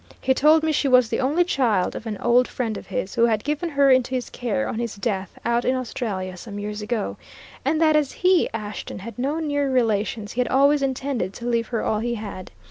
He told me she was the only child of an old friend of his, who had given her into his care on his death out in Australia, some years ago, and that as he, Ashton, had no near relations, he had always intended to leave her all he had.